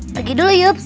pergi dulu yups